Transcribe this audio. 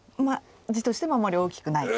地としてもあまり大きくない。